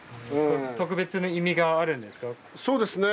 特別な意味があるんですか？